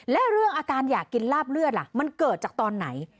และเรื่องอาการอยากกินลาบเลือดล่ะมันเกิดจากตอนไหน